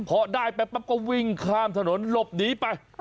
พอได้ไปปั๊บก็วิ่งข้ามถนนหลบหนีไป